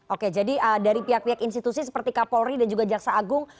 oke jadi dari pihak pihak institusi seperti kapolri dan juga jaksa agung